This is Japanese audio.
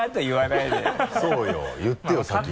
そうよ言ってよ先に。